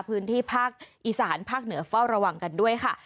พื้นที่ภาคอีสานภาคเหนือเฝ้าระวังกันด้วยค่ะ